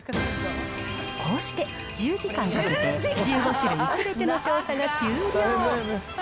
こうして１０時間かけて、１５種類すべての調査が終了。